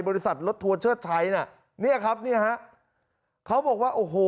บริษัทรถทัวร์เชิดชัยน่ะเนี่ยครับเนี่ยฮะเขาบอกว่าโอ้โห